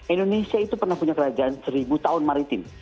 indonesia itu pernah punya kerajaan seribu tahun maritim